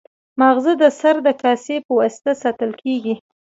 ماغزه د سر د کاسې په واسطه ساتل کېږي.